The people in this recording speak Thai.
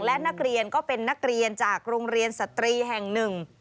และนักเรียนก็เป็นนักเรียนจากโรงเรียนสตรีแห่งหนึ่ง